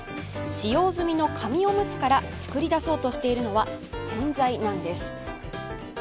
使用済みの紙おむつから作り出そうとしているのは洗剤なんです。